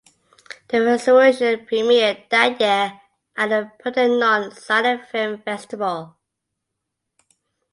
The restoration premiered that year at the Pordenone Silent Film Festival.